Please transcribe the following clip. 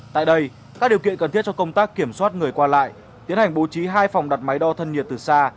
tại đây các điều kiện cần thiết cho công tác kiểm soát người qua lại tiến hành bố trí hai phòng đặt máy đo thân nhiệt từ xa